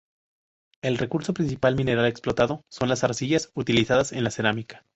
El recurso principal mineral explotado son las arcillas utilizadas en la cerámica.